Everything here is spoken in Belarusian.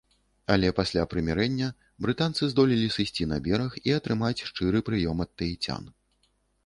Але пасля прымірэння брытанцы здолелі сысці на бераг і атрымаць шчыры прыём ад таіцян.